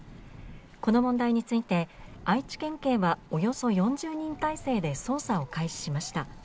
この問題について愛知県警はおよそ４０人体制で捜査を開始しました。